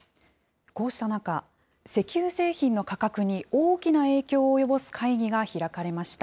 こうした中、石油製品の価格に大きな影響を及ぼす会議が開かれました。